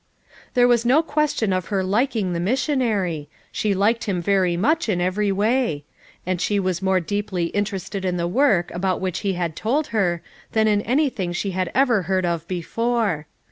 There was no question of her liking the mis sionary, she liked him very much in every way; and she was more deeply interested in the work about which he had told her, than in anything that she had ever heard of before.